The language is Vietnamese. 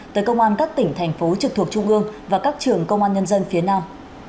tới công an các tỉnh thành phố trực thuộc trung ương và các trường công an nhân dân phía nam